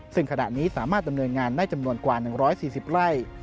ซึ่งขณะนี้สามารถดำเนินงานได้จำนวนกว่า๑๔๐ไร่